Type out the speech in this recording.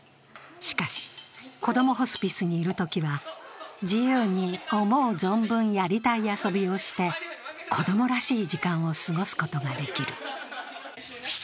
しかしこどもホスピスにいるときは自由に思う存分やりたい遊びをして子供らしい時間を過ごすことができる。